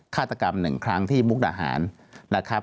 ฆาตกรรมหนึ่งครั้งที่มุกดาหารนะครับ